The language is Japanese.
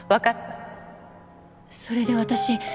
それで私。